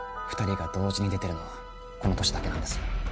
２人が同時に出てるのはこの年だけなんです。